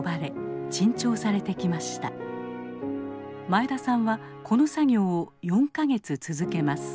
前田さんはこの作業を４か月続けます。